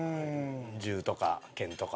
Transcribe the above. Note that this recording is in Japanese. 銃とか剣とか。